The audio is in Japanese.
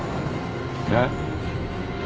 えっ？